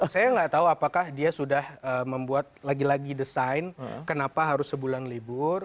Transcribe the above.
saya nggak tahu apakah dia sudah membuat lagi lagi desain kenapa harus sebulan libur